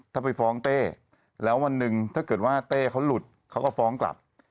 ถ้าไปฟ้องเต้แล้ววันหนึ่งถ้าเกิดว่าเต้เขาหลุดเขาก็ฟ้องกลับ